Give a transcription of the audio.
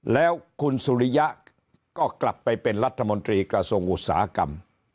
แล้วคุณสุริยะก็กลับไปเป็นรัฐมนตรีกระทรงอุตสาหกรรม